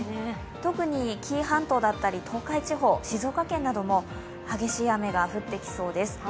特に紀伊半島だったり、東海地方、静岡県なども激しい雨が降ってきそうです。